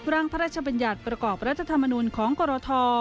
พระราชบัญญัติประกอบรัฐธรรมนุนของกรท